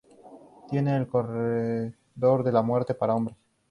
Tiene el corredor de la muerte para hombres.